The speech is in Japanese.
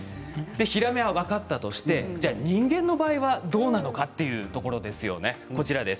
ヒラメは分かったとして人間の場合はどうなのかというところですよね。